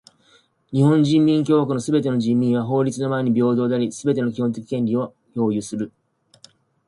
日本人民共和国のすべての人民は法律の前に平等であり、すべての基本的権利を享有する。